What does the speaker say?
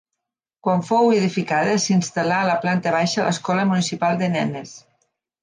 Quan fou edificada s'instal·là a la planta baixa l'escola municipal de nenes.